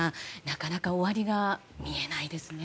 なかなか終わりが見えないですね。